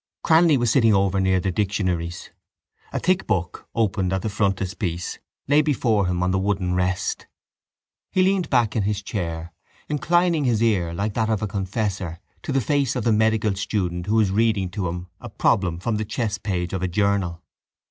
Cranly was sitting over near the dictionaries. A thick book, opened at the frontispiece, lay before him on the wooden rest. He leaned back in his chair, inclining his ear like that of a confessor to the face of the medical student who was reading to him a problem from the chess page of a journal.